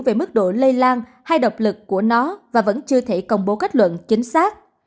về mức độ lây lan hay độc lực của nó và vẫn chưa thể công bố kết luận chính xác